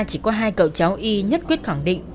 chỉ có hai cậu cháu y nhất quyết khẳng định